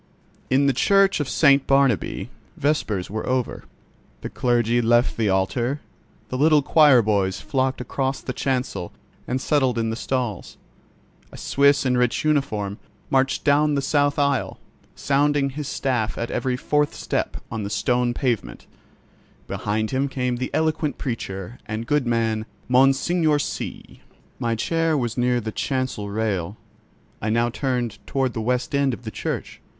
In the Church of St. Barnabķ vespers were over; the clergy left the altar; the little choir boys flocked across the chancel and settled in the stalls. A Suisse in rich uniform marched down the south aisle, sounding his staff at every fourth step on the stone pavement; behind him came that eloquent preacher and good man, Monseigneur C——. My chair was near the chancel rail, I now turned toward the west end of the church.